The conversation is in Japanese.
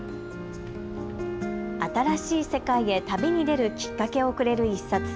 新しい世界へ旅に出るきっかけをくれる一冊。